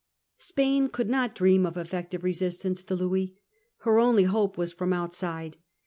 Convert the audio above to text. Spain could not dream of effective resistance to Louis. Her only hope was from outside.